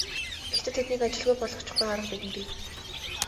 Гэхдээ тэднийг ажилгүй болгочихгүй арга бидэнд бий.